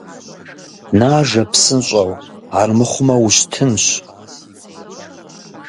Нажэ, псынщӀэу, армыхъумэ, ущтынщ.